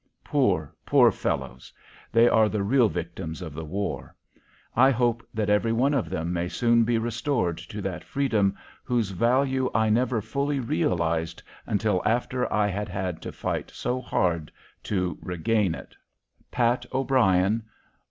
Poor, poor fellows! they are the real victims of the war. I hope that every one of them may soon be restored to that freedom whose value I never fully realized until after I had had to fight so hard to regain it. PAT O'BRIEN.